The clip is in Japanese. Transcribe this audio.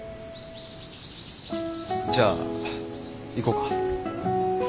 じゃあ行こうか。